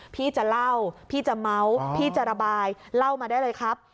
พี่จะเล่าพี่จะเมาส์พี่จะระบายเล่ามาได้เลยครับ